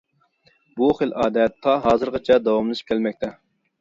بۇ خىل ئادەت تا ھازىرغىچە داۋاملىشىپ كەلمەكتە.